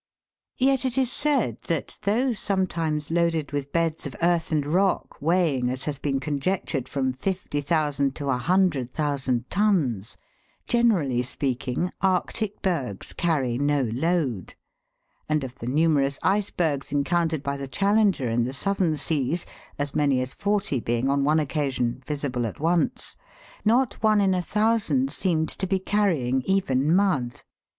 Yet it is said that, though sometimes loaded with beds of earth and rock, weighing, as has been conjectured, 74 THE WORLD'S LUMBER ROOM. from 50,000 to 100,000 tons, generally speaking, Arctic bergs carry no load; and of the numerous icebergs encountered by the Challenger in the Southern Seas as many as forty being on one occasion, visible at once not one in a thousand seemed to be carrying even mud.